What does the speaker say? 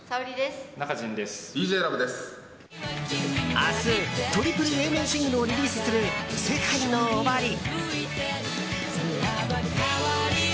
明日、トリプルＡ面シングルをリリースするＳＥＫＡＩＮＯＯＷＡＲＩ。